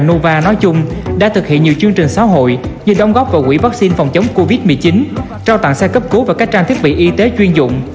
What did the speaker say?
nova nói chung đã thực hiện nhiều chương trình xã hội như đóng góp vào quỹ vaccine phòng chống covid một mươi chín trao tặng xe cấp cứu và các trang thiết bị y tế chuyên dụng